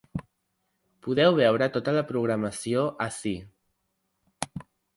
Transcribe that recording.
Podeu veure tota la programació ací.